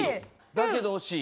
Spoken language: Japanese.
だけど惜しい。